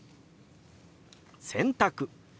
「洗濯」。